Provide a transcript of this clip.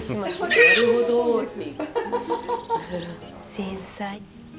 繊細。